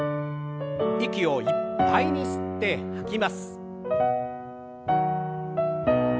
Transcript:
息をいっぱいに吸って吐きます。